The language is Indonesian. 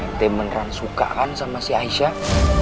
ente beneran suka kan sama si aisyah